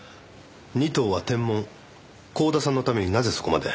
仁藤はテンモン光田さんのためになぜそこまで？